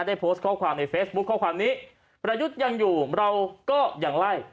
ได้โพสต์ข้อความในเฟซบุ๊คข้อความนี้ประยุทธ์ยังอยู่เราก็ยังไล่